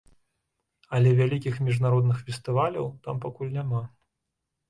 Але вялікіх міжнародных фестываляў там пакуль няма.